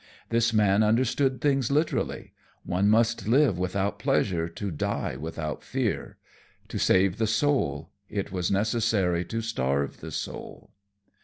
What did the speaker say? This man understood things literally: one must live without pleasure to die without fear; to save the soul it was necessary to starve the soul.